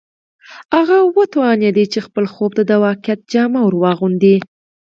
هغه وتوانېد چې خپل خوب ته د واقعیت جامه ور واغوندي